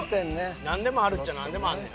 なんでもあるっちゃなんでもあんねんな。